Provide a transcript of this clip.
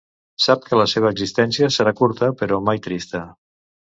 Sap que la seva existència serà curta, però mai trista.